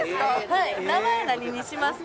はい！